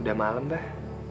udah malem abah